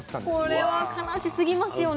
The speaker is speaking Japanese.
これは悲しすぎますよね。